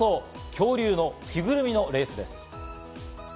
恐竜の着ぐるみのレースです。